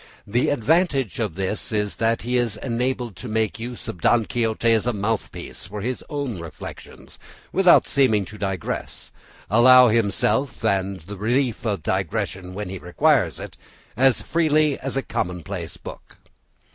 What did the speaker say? The advantage of this is that he is enabled to make use of Don Quixote as a mouthpiece for his own reflections, and so, without seeming to digress, allow himself the relief of digression when he requires it, as freely as in a commonplace book.